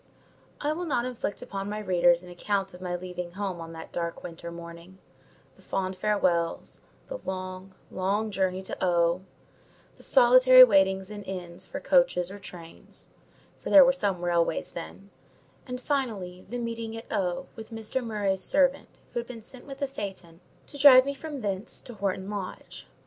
I will not inflict upon my readers an account of my leaving home on that dark winter morning: the fond farewells, the long, long journey to O——, the solitary waitings in inns for coaches or trains—for there were some railways then—and, finally, the meeting at O—— with Mr. Murray's servant, who had been sent with the phaeton to drive me from thence to Horton Lodge.